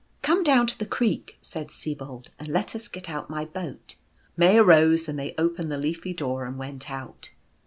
" Come down to the creek/' said Sibold, " and let us get out my boat." May arose, and they opened the leafy door and went out.